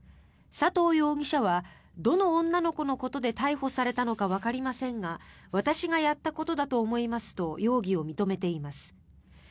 佐藤容疑者はどの女の子のことで逮捕されたのかわかりませんが私がやったことだと思いますと容疑を認めています。